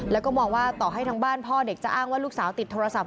แล้วก็มองว่าต่อให้ทั้งบ้านพ่อเด็กจะอ้างว่าลูกสาวติดโทรศัพ